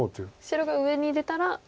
白が上に出たら下。